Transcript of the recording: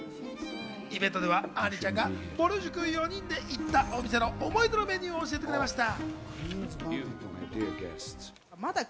イベントでは、あんりちゃんがぼる塾４人で行ったお店の思い出のメニューを教えてくれました。